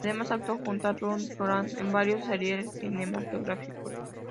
Además, actuó junto a Ruth Roland en varios seriales cinematográficos.